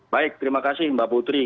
baik terima kasih mbak putri